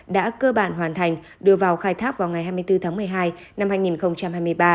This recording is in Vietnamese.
đã cơ bản hoàn thành đưa vào khai thác vào ngày hai mươi bốn tháng một mươi hai năm hai nghìn hai mươi ba